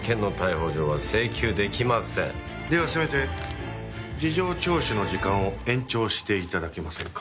ではせめて事情聴取の時間を延長して頂けませんか？